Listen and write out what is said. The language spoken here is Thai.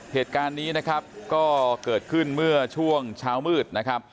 เหตุการณ์นี้นะครับก็เกิดขึ้นเมื่อช่วงเช้ามืดนะครับ